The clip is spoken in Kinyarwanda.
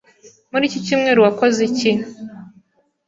Muri iki cyumweru wakoze iki?